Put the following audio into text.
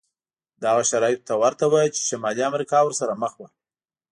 دا هغو شرایطو ته ورته و چې شمالي امریکا ورسره مخ وه.